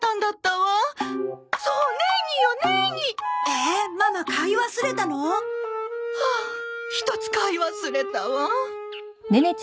ええっママ買い忘れたの？はあひとつ買い忘れたわ。